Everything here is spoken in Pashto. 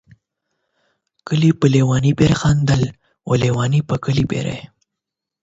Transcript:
کلي په ليوني پوري خندل ، او ليوني په کلي پوري